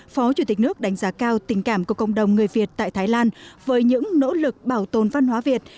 phó chủ tịch nước đánh giá cao tình cảm của cộng đồng người việt tại thái lan với những nỗ lực bảo tồn văn hóa việt